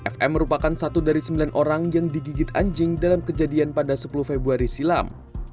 fm merupakan satu dari sembilan orang yang digigit anjing dalam kejadian pada sepuluh februari silam